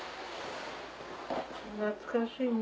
懐かしいね。